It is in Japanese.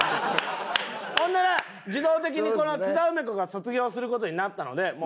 ほんなら自動的にこの津田梅子が卒業する事になったのでもう。